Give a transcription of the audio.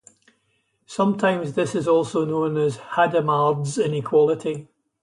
Sometimes this is also known as Hadamard's inequality.